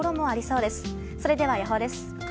それでは予報です。